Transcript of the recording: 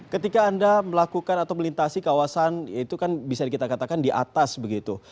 ketika anda melakukan atau melintasi kawasan itu kan bisa kita katakan di atas begitu